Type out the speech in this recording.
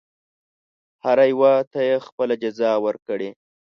هر یوه ته یې خپله جزا ورکړي.